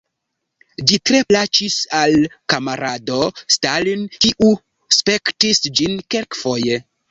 Ĝi tre plaĉis al kamarado Stalin, kiu spektis ĝin kelkfoje.